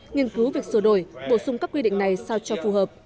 nghiên cứu việc sửa đổi bổ sung các quy định này sao cho phù hợp